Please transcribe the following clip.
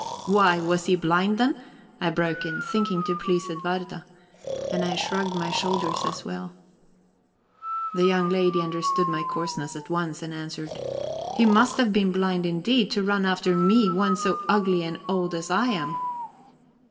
"Why, was he blind, then?" I broke in, thinking to please Edwarda. And I shrugged my shoulders as well. The young lady understood my coarseness at once, and answered: "He must have been blind indeed, to run after any one so old and ugly as I am."